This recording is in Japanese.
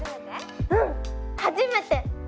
うん初めて！